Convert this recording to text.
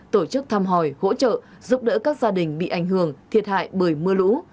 tổ chức thăm hỏi hỗ trợ giúp đỡ các gia đình bị ảnh hưởng thiệt hại bởi mưa lũ